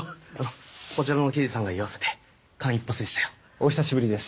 お久しぶりです。